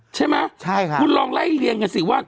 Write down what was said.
ใช่ไหมคุณลองไล่เลียงกันสิว่า